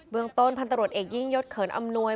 เมืองต้นพันตรวจเอกยิ่งยศเขินอำนวย